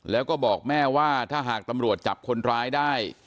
แล้วก็บอกแม่ว่าถ้าหากตำรวจจับคนร้ายได้